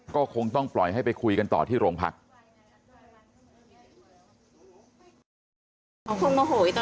ก็คงต้องปล่อยให้ไปคุยกันต่อที่โรงพัก